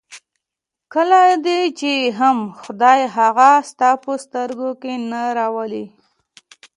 کله دې هم خدای هغه ستا په سترګو کې نه راولي.